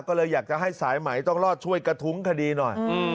ก็เลยอยากจะให้สายไหมต้องรอดช่วยกระทุ้งคดีหน่อย